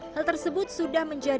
hal tersebut sudah menyebabkan